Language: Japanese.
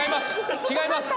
違います。